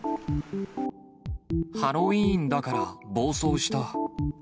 ハロウィーンだから暴走した。